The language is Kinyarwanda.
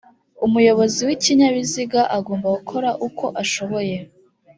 umuyobozi w ikinyabiziga agomba gukora uko ashoboye.